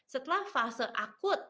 setelah fase akut